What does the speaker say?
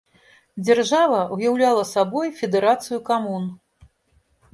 Дзяржава ўяўляла сабой федэрацыю камун.